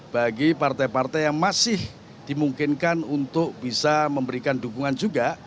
bagi partai partai yang masih dimungkinkan untuk bisa memberikan dukungan juga